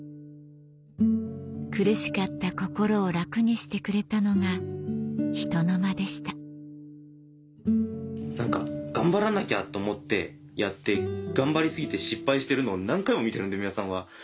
苦しかった心を楽にしてくれたのがひとのまでした頑張らなきゃと思ってやって頑張り過ぎて失敗してるのを何回も見てるんで宮田さんは。